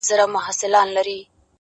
خیر دی قبر ته دي هم په یوه حال نه راځي”